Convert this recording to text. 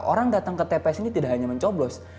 orang datang ke tps ini tidak hanya mencoblos